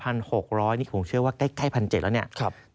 อันนี้ผมเชื่อว่าใกล้๑๗๐๐แล้ว